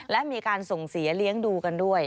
และมีการส่งเสียเลี้ยงดูกันด้วย